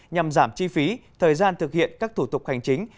nhằm giảm chi phí thời gian thực hiện các thủ tục hành chính